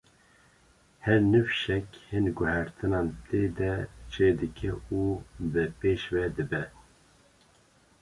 Her nifşek, hin guhertinan tê de çêdike û bi pêş ve dibe.